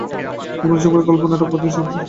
তিনি রোমাঞ্চকর গল্প ও নাটক পড়তে পছন্দ করতেন।